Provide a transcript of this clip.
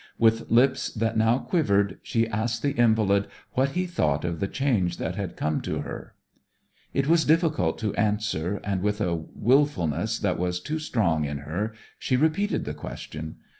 With lips that now quivered, she asked the invalid what he thought of the change that had come to her. It was difficult to answer, and with a wilfulness that was too strong in her she repeated the question.